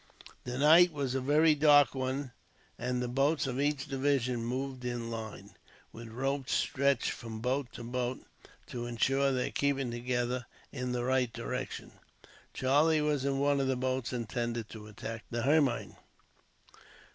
The night was a very dark one, and the boats of each division moved in line, with ropes stretched from boat to boat, to ensure their keeping together in the right direction. Charlie was in one of the boats intended to attack the Hermione.